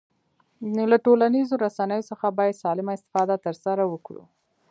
له ټولنیزو رسنیو څخه باید سالمه استفاده ترسره وکړو